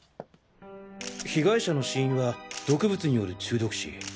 被害者の死因は毒物による中毒死。